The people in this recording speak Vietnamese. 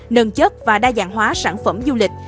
nâng chất và đa dạng hóa sản phẩm du lịch